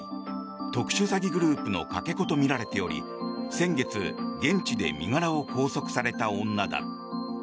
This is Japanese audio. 特殊詐欺グループのかけ子とみられており先月、現地で身柄を拘束された女だ。